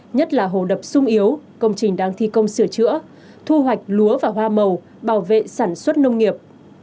nhất là hồ đập sung yếu công trình đang thi công sửa chữa thu hoạch lúa và hoa màu bảo vệ sản xuất nông nghiệp